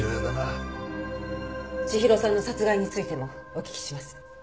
千尋さんの殺害についてもお聞きします。